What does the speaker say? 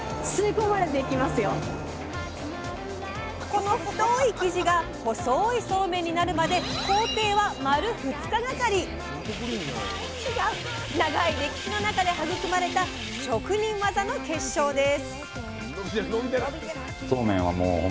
この太い生地が細いそうめんになるまで工程は長い歴史の中で育まれた職人技の結晶です。